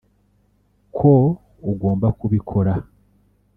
ko ugomba kubikora